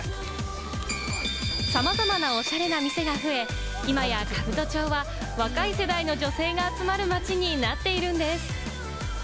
さまざまなおしゃれな店が増え、今や兜町は若い世代の女性が集まる街になっているんです。